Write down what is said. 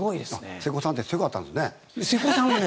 瀬古さんってすごかったんですね。